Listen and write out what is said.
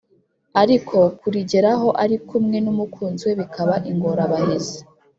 ariko kurigeraho ari kumwe n’umukunzi we bikaba ingorabahizi.